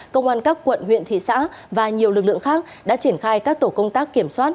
công an các quận huyện thị xã và nhiều lực lượng khác đã triển khai các tổ công tác kiểm soát